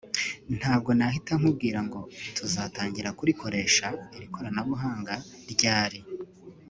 ntabwo nahita nkubwira ngo tuzatangira kurikoresha (iri koranabuhanga) ryari